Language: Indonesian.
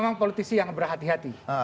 memang politisi yang berhati hati